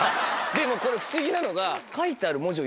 でもこれ不思議なのが。